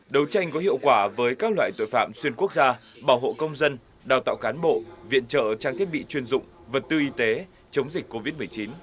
đấu tranh có hiệu quả với các loại tội phạm xuyên quốc gia bảo hộ công dân đào tạo cán bộ viện trợ trang thiết bị chuyên dụng vật tư y tế chống dịch covid một mươi chín